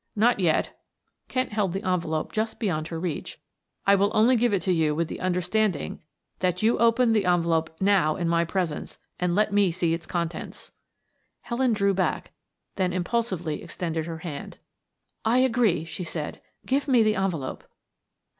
"Not yet," Kent held the envelope just beyond her reach. "I will only give it to you with the understanding that you open the envelope now in my presence and let me see its contents." Helen drew back, then impulsively extended her hand. "I agree," she said. "Give me the envelope."